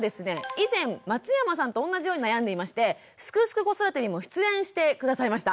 以前松山さんとおんなじように悩んでいまして「すくすく子育て」にも出演して下さいました。